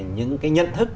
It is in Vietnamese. những cái nhận thức